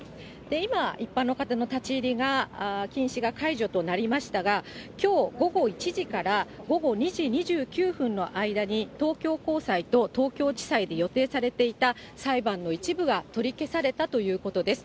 今、一般の方の立ち入りが、禁止が解除となりましたが、きょう午後１時から午後２時２９分の間に、東京高裁と東京地裁で予定されていた裁判の一部が取り消されたということです。